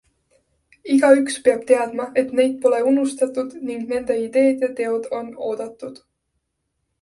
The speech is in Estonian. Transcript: Igaüks peab teadma, et neid pole unustatud ning nende ideed ja teod on oodatud.